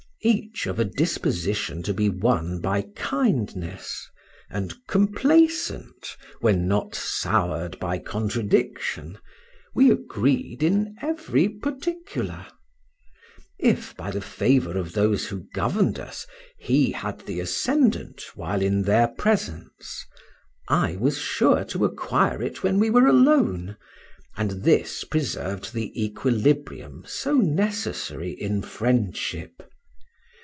Each of a disposition to be won by kindness, and complaisant, when not soured by contradiction, we agreed in every particular. If, by the favor of those who governed us he had the ascendant while in their presence, I was sure to acquire it when we were alone, and this preserved the equilibrium so necessary in friendship.